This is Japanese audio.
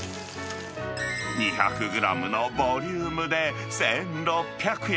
２００グラムのボリュームで、１６００円。